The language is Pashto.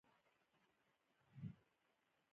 اوږد اوړي انسانانو ته د بدلون زمینه برابره کړه.